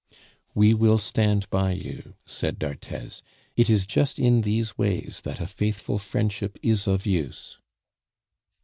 "We will stand by you," said d'Arthez; "it is just in these ways that a faithful friendship is of use."